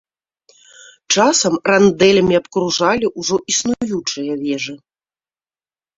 Часам рандэлямі абкружалі ўжо існуючыя вежы.